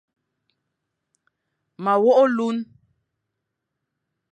Ma wogh olune.